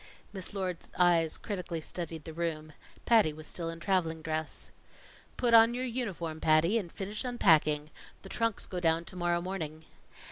Miss Lord's eyes critically studied the room. Patty was still in traveling dress. "Put on your uniform, Patty, and finish unpacking. The trunks go down to morrow morning."